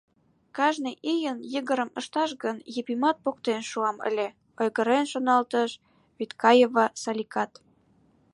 Кажне ийын йыгырым ышташ гын, Епимат поктен шуам ыле, — ойгырен шоналтыш Вӱдкаева Саликат.